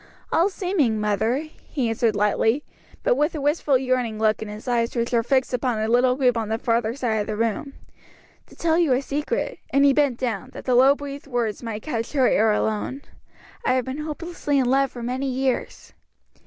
"All seeming, mother," he answered lightly, but with a wistful yearning look in his eyes which were fixed upon a little group on the farther side of the room; "to tell you a secret," and he bent down, that the low breathed words might catch her ear alone, "I have been hopelessly in love for many years."